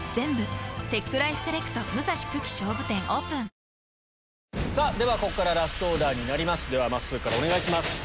そしてではここからラストオーダーになりますまっすーからお願いします。